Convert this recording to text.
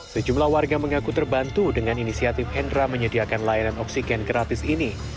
sejumlah warga mengaku terbantu dengan inisiatif hendra menyediakan layanan oksigen gratis ini